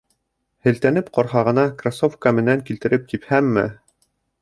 Һелтәнеп ҡорһағына кроссовка менән килтереп типһәмме?..